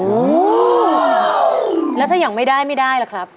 โอ้โฮแล้วถ้าอย่างไม่ได้ไม่ได้หรือครับ